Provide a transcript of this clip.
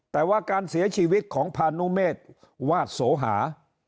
แต่ว่าการเสียชีวิตของพานุเมษวาดโสหา